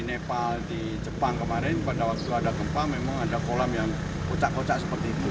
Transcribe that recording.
nepal di jepang kemarin pada waktu ada gempa memang ada kolam yang kocak kocak seperti itu